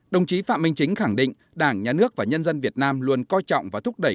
đồng chí phạm minh chính khẳng định đảng nhà nước và nhân dân việt nam luôn coi trọng và thúc đẩy